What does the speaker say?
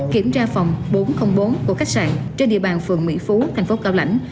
kiểm tra phòng bốn trăm linh bốn của khách sạn trên địa bàn phường mỹ phú thành phố cao lãnh